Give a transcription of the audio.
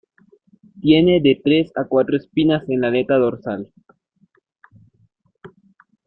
Tiene de tres a cuatro espinas en la aleta dorsal.